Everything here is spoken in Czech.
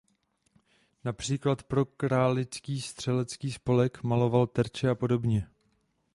Například pro králický střelecký spolek maloval terče a podobně.